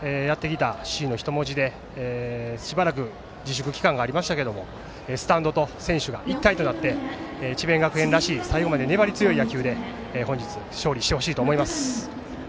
しばらく自粛期間がありましたけどスタンドと選手が一体となって智弁学園らしい最後まで粘り強い野球で本日、勝利してほしいと思います。